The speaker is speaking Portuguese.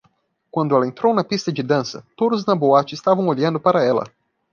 Quando ela entrou na pista de dança, todos na boate estavam olhando para ela.